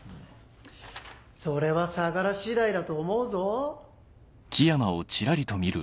それは相良次第だと思うぞ。